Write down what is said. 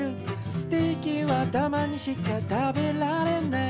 「ステーキはたまにしか食べられない」